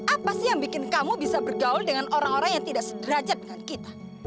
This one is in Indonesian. apa sih yang bikin kamu bisa bergaul dengan orang orang yang tidak sederajat dengan kita